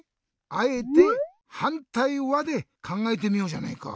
あえて「はんたいは？」でかんがえてみようじゃないか。